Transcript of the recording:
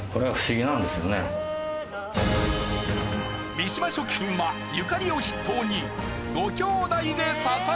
三島食品はゆかりを筆頭に５姉弟で支えられていた。